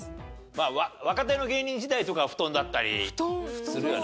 まあ若手の芸人時代とかは布団だったりするよな。